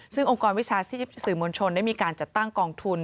ซึ่งองค์กรวิชาชีพสื่อมวลชนได้มีการจัดตั้งกองทุน